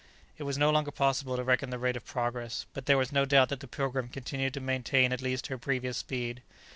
It was no longer possible to reckon the rate of progress, but there was no doubt that the "Pilgrim" continued to maintain at least her previous speed.